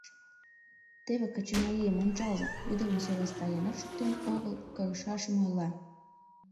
Теве, качымарийым ончалза, ӱдырым сӧрастаренат шуктен огыл — кырышашым ойла.